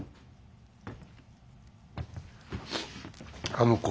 あの子。